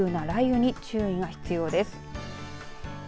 急な雷雨に注意が必要です。